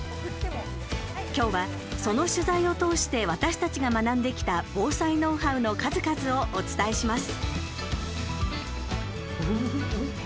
今日はその取材を通して私たちが学んできた防災ノウハウの数々をお伝えします。